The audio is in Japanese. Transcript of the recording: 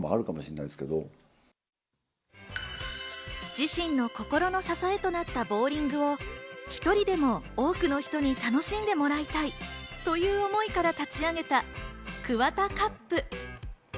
自身の心の支えとなったボウリングを１人でも多くの人に楽しんでもらいたいという思いから立ち上げた、ＫＵＷＡＴＡＣＵＰ。